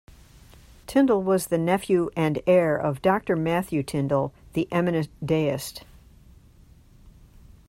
Tindal was the nephew and heir of Doctor Matthew Tindal, the eminent deist.